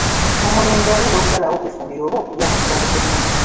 Omulenzi ayinza okusalawo okwefumbira oba okulya mu kirabo ky'emmere.